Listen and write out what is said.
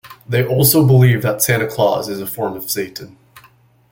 They also believe that Santa Claus is a form of Satan.